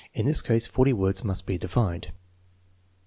1 In this case forty words must be defined.